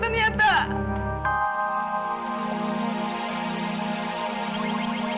tante itu sudah selesai